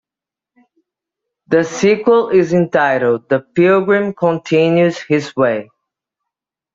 The sequel is entitled "The Pilgrim Continues his Way".